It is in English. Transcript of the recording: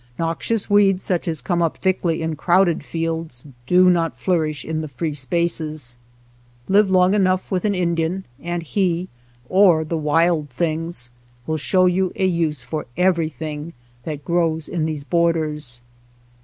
Noxious weeds such as come up thickly in crowded fields do not flourish in the free spaces. Live long enough with an Indian, and he or the wild things will show you a use for everything that grows in these borders.